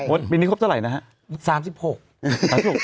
วันนี้ครบเท่าไหร่นะฮะ